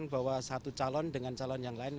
bahwa satu calon dengan calon yang lain